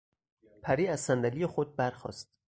پری از صندلی خود برخاست.